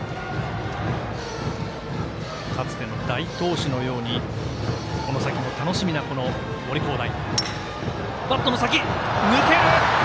かつての大投手のようにこの先も楽しみな森煌誠。